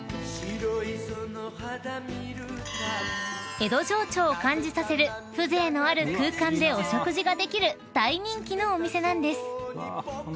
［江戸情緒を感じさせる風情のある空間でお食事ができる大人気のお店なんです］